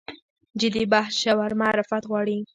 جدي بحث ژور معرفت غواړي.